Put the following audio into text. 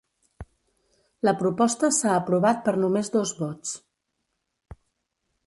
La proposta s'ha aprovat per només dos vots